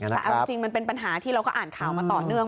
แต่เอาจริงมันเป็นปัญหาที่เราก็อ่านข่าวมาต่อเนื่อง